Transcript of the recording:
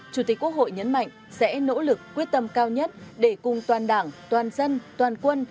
chủ tịch quốc hội nhấn mạnh sẽ nỗ lực quyết tâm cao nhất để cùng toàn đảng toàn dân toàn quân